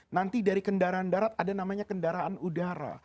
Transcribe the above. nanti dari kendaraan darat ada namanya kendaraan udara